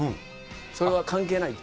それは関係ないと。